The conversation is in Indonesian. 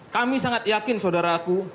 kami sangat yakin saudara aku